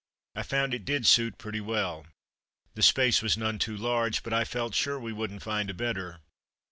I found that it did suit pretty well. The space was none too large, but I felt sure we wouldn't find a better.